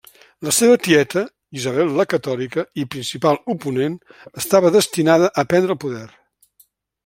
La seva tieta, Isabel la Catòlica, i principal oponent, estava destinada a prendre el poder.